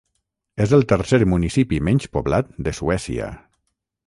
És el tercer municipi menys poblat de Suècia.